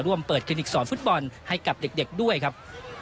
ร่วมเปิดคลินิกสอนฟุตบอลให้กับเด็กด้วยครับ